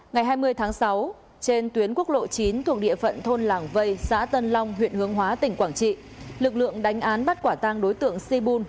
ngày hai mươi tháng sáu trên tuyến quốc lộ chín thuộc địa phận thôn làng vây xã tân long huyện hướng hóa tỉnh quảng trị lực lượng đánh án bắt quả tang đối tượng si bun